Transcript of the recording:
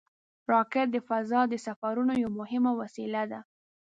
راکټ د فضا د سفرونو یوه مهمه وسیله ده